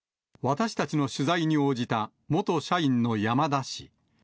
私たちの取材に応じた元社員の山田氏。